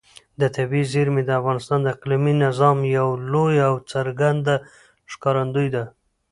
طبیعي زیرمې د افغانستان د اقلیمي نظام یوه لویه او څرګنده ښکارندوی ده.